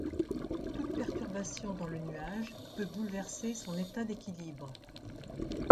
Toute perturbation dans le nuage peut bouleverser son état d'équilibre.